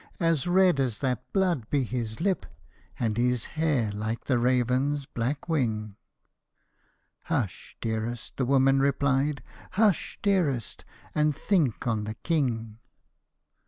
As red as that blood be his lip, and his hair like the raven's black wing.' * Hush, dearest 1 ' the woman replied. ' Hush, dearest, and think on the King